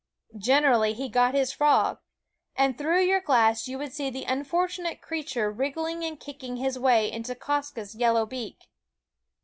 Generally he got his frog, and through your glass you would see the unfortunate creature wriggling and kicking his way into Quoskh's yellow beak.